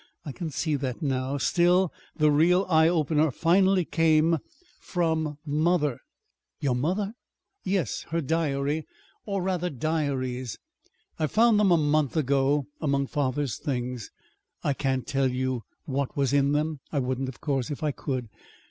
I can see that now. Still, the real eye opener finally came from mother." "Your mother!" "Yes, her diary or, rather, diaries. I found them a month ago among father's things. I can't tell you what was in them. I wouldn't, of course, if I could.